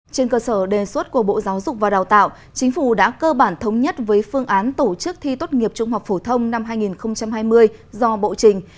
trên cơ sở đề xuất của bộ giáo dục và đào tạo chính phủ đã cơ bản thống nhất với phương án tổ chức thi tốt nghiệp trung học phổ thông năm hai nghìn hai mươi do bộ trình